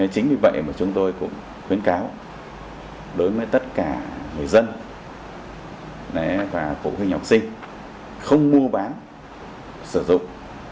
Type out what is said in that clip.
chính vì vậy mà chúng tôi cũng khuyến cáo đối với tất cả người dân và phụ huynh học sinh không mua bán sử dụng